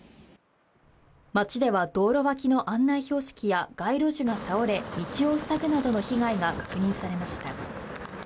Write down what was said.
街では道路脇の案内標識や街路樹が倒れ道を塞ぐなどの被害が確認されました。